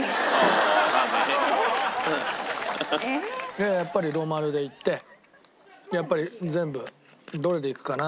いややっぱりノーマルでいってやっぱり全部どれでいくかな？